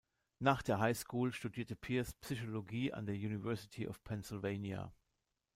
Nach der High School studierte Pierce Psychologie an der University of Pennsylvania.